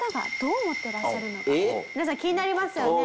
皆さん気になりますよね？